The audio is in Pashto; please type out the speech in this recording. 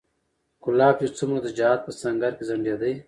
کلاب چې څومره د جهاد په سنګر کې ځنډېدی